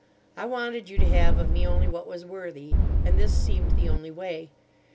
I wanted you to have of me only what was worthy, and this seemed the only way.